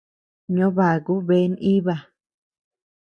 Ño baku bea nʼíba.